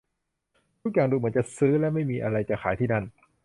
ทุกอย่างดูเหมือนจะซื้อและไม่มีอะไรจะขายที่นั่น